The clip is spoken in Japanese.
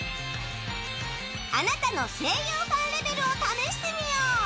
あなたの声優ファンレベルを試してみよう。